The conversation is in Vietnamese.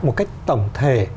một cách tổng thể